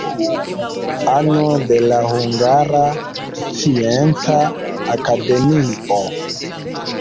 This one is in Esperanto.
Ano de la Hungara Scienca Akademio.